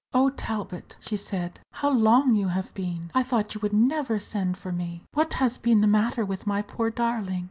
"Oh, Talbot," she said, "how long you have been! I thought you would never send for me. What has been the matter with my poor darling?"